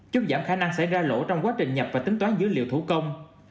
giúp giảm khả năng xảy ra lỗ trong quá trình nhập và tính toán dữ liệu thủ công